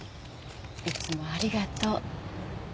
いつもありがとう。